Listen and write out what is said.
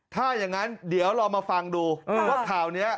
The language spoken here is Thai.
ถ้าอย่างนั้นเดี๋ยวเรามาฟังดูว่าข่าวนี้